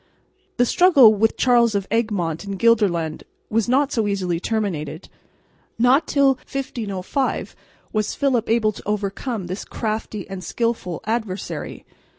The struggle with Charles of Egmont in Gelderland was not so easily terminated. Not till 1505 was Philip able to overcome this crafty and skilful adversary.